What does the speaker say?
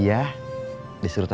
ada apa ya